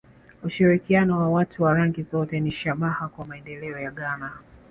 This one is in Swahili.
Ushirikiano wa watu wa rangi zote ni shabaha kwa maendeleo ya Ghana